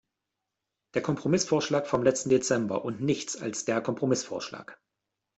Der Kompromissvorschlag vom letzten Dezember und nichts als der Kompromissvorschlag.